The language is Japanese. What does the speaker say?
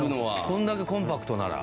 これだけコンパクトなら。